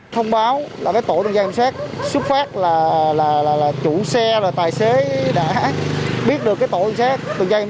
thông báo với tổ tường gia kiểm soát xuất phát là chủ xe tài xế đã biết được tổ tường gia kiểm